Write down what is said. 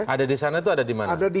ada di sana itu ada di mana